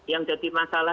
yang jadi masalah